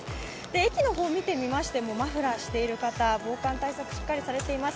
駅の方を見てみましても、マフラーをされている方、防寒対策しっかりされています。